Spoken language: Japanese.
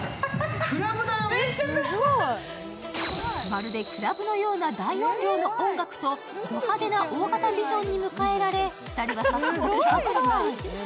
まるでクラブのような大音量の音楽とド派手な大型ビジョンに迎えられ、２人は早速、地下フロアへ。